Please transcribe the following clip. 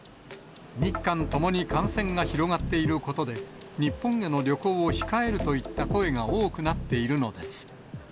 日韓ともに感染が広がっていることで、日本への旅行を控えるといった声が多くなっているのです。